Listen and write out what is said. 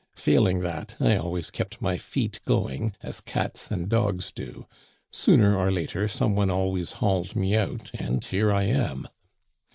Failing that, I always kept my feet going, as cats and dogs do. Sooner or later some one always hauled me out ; and here I am.